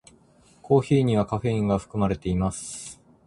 コーヒーにはカフェインが含まれています。